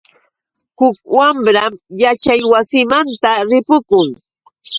Huk mamram yaćhaywasimanta ripukun.